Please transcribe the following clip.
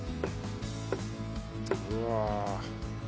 うわ。